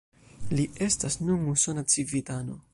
Li estas nun usona civitano.